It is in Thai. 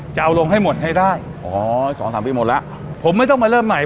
จะเอาลงให้หมดให้ได้อ๋อสองสามปีหมดแล้วผมไม่ต้องมาเริ่มใหม่